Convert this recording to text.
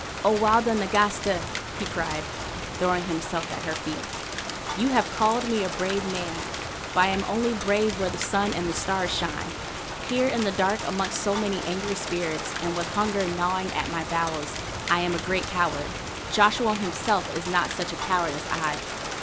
"O Walda Nagasta," he cried, throwing himself at her feet, "you have called me a brave man, but I am only brave where the sun and the stars shine. Here in the dark amongst so many angry spirits, and with hunger gnawing at my bowels, I am a great coward; Joshua himself is not such a coward as I.